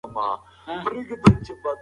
بانډارونه تل د اقتصادي مسايلو په اړه نه وي.